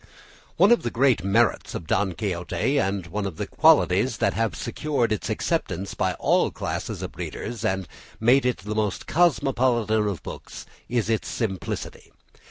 One of the great merits of "Don Quixote," and one of the qualities that have secured its acceptance by all classes of readers and made it the most cosmopolitan of books, is its simplicity.